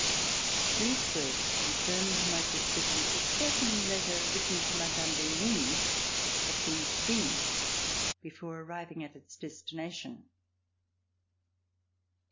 These words con firmed my suspicion that a certain letter written to Mme. d'Henin had been seized before arriving at its destination.